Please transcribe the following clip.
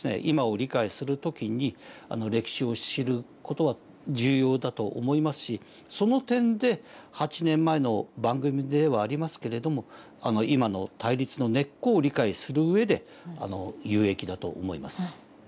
今を理解する時に歴史を知る事は重要だと思いますしその点で８年前の番組ではありますけれども今の対立の根っこを理解する上で有益だと思います。